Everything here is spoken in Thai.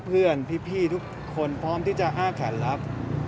เพื่อนพี่ทุกคนพร้อมที่จะอ้าแขนรับ